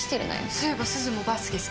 そういえばすずもバスケ好きだよね？